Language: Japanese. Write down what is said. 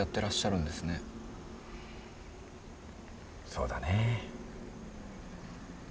そうだねぇ。